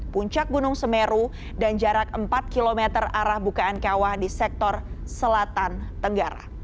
puncak gunung semeru dan jarak empat km arah bukaan kawah di sektor selatan tenggara